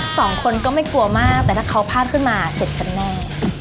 สองคนก็ไม่กลัวมากแต่ถ้าเขาพลาดขึ้นมาเสร็จฉันแน่